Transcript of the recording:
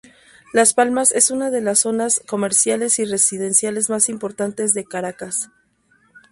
Las Palmas es una de las zonas comerciales y residenciales más importantes de Caracas.